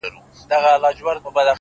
زاهده دغه تا نه غوښتله خدای غوښتله-